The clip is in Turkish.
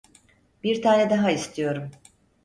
Bir tane daha istiyorum.